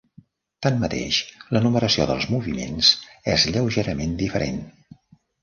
Tanmateix, la numeració dels moviments és lleugerament diferent.